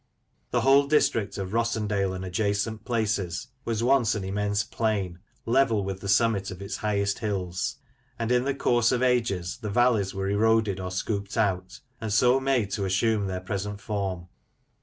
The whole district of Rossendale and adjacent places was once an immense plain, level with the summit of its highest hills ; and, in the course of ages, the valleys were eroded, or scooped out, and so made to assume their present form.